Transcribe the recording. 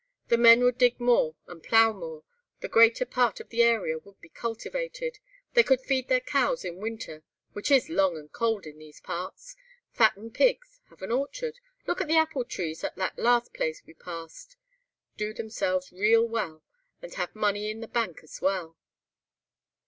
The men would dig more and plough more, the greater part of the area would be cultivated, they could feed their cows in winter (which is long and cold in these parts), fatten pigs, have an orchard (look at the apple trees at the last place we passed), do themselves real well, and have money in the bank as well."